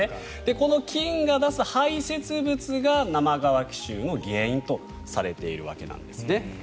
この菌が出す排せつ物が生乾き臭の原因とされているわけなんです。